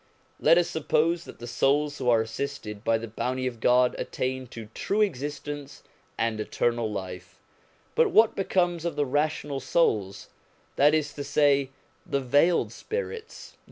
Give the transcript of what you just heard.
Let us suppose that the souls who are assisted by the bounty of God attain to true existence and eternal life : but what becomes of the rational souls, that is to say, the veiled spirits